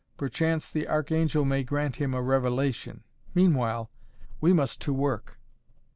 Perchance the Archangel may grant him a revelation. Meanwhile, we must to work.